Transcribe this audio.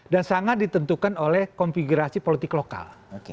dan sangat ditentukan oleh konfigurasi politik lokal